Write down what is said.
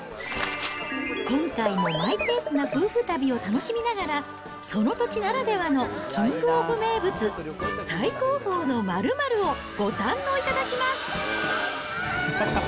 今回もマイペースな夫婦旅を楽しみながら、その土地ならではのキングオブ名物、最高峰の〇〇をご堪能いただきます。